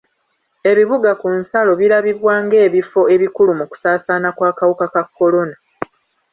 Ebibuga ku nsalo birabibwa ng'ebifo ebikulu mu kusaasaana kw'akawuka ka kolona.